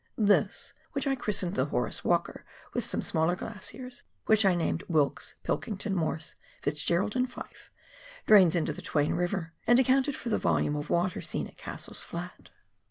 This, which I christened the " Horace Walker," with some smaller glaciers — which I named Wicks, Pilkington, Morse, Fitzgerald, and Fyfe — drains into the Twain Piver, and accounted for the volume of water seen at Cassell's Flat.